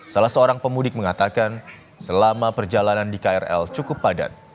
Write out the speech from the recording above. salah seorang pemudik mengatakan selama perjalanan di krl cukup padat